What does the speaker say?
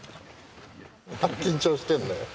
緊張してんの？